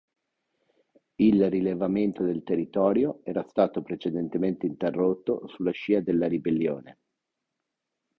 Il rilevamento del territorio era stato precedentemente interrotto sulla scia della ribellione.